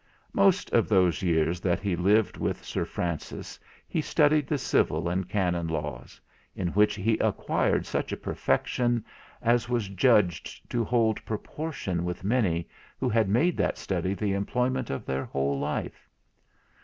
Most of those years that he lived with Sir Francis he studied the Civil and Canon Laws; in which he acquired such a perfection, as was judged to hold proportion with many, who had made that study the employment of their whole life.